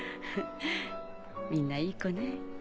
みんないい子ね。